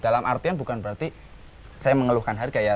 dalam artian bukan berarti saya mengeluhkan harga ya